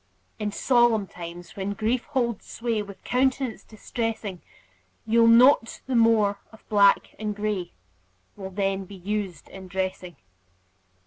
In solemn times, when grief holds sway With countenance distressing, You'll note the more of black and gray Will then be used in dressing.